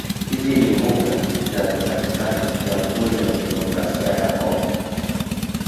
Hizi ni mbuga zinazopatikazna Jamhuri ya Kidemikrasia ya Congo